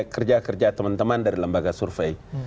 kerja kerja teman teman dari lembaga survei